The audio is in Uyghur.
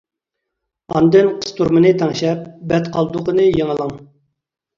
ئاندىن قىستۇرمىنى تەڭشەپ بەت قالدۇقىنى يېڭىلاڭ.